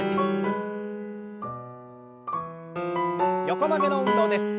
横曲げの運動です。